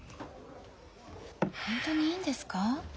ホントにいいんですか？